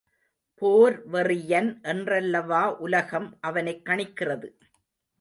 போர் வெறியன் என்றல்லவா உலகம் அவனைக் கணிக்கிறது.